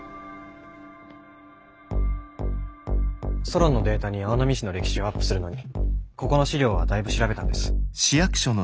ソロンのデータに青波市の歴史をアップするのにここの資料は大部調べたんです。